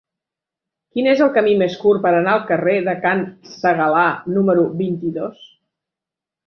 Quin és el camí més curt per anar al carrer de Can Segalar número vint-i-dos?